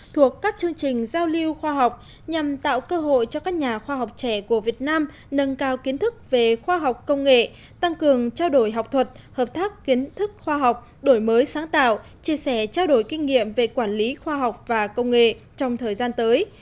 thuộc các chương trình giao lưu khoa học nhằm tạo cơ hội cho các nhà khoa học trẻ của việt nam nâng cao kiến thức về khoa học công nghệ tăng cường trao đổi học thuật hợp tác kiến thức khoa học đổi mới sáng tạo chia sẻ trao đổi kinh nghiệm về quản lý khoa học và công nghệ trong thời gian tới